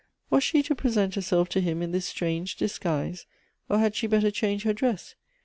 Was she to present herself to him in this strange disguise? or had she better change her dress ?